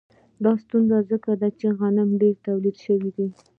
دا ستونزه ځکه ده چې غنم ډېر تولید شوي